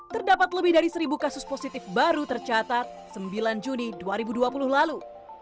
terdapat lebih dari seribu kasus positif baru tercatat sembilan juni dua ribu dua puluh lalu